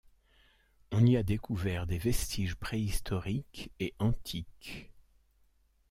On y a découvert des vestiges préhistoriques et antiques.